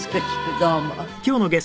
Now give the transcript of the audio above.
どうも。